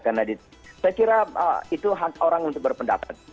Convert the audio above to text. saya kira itu hak orang untuk berpendapat